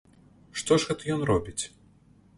Што ж гэта ён робіць?